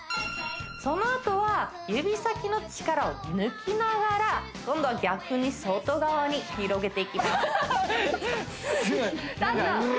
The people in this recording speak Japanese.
そのあとは指先の力を抜きながら今度は逆に外側に広げていきますうりゃ